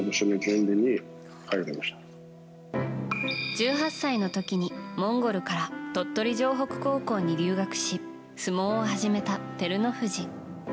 １８歳の時にモンゴルから鳥取城北高校に留学し相撲を始めた照ノ富士。